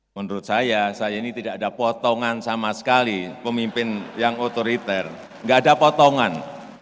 menurut saya saya ini tidak ada potongan sama sekali pemimpin yang otoriter nggak ada potongan